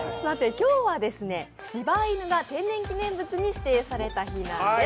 今日はしば犬が天然記念物に指定された日なんです。